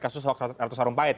kasus hartus harumpayat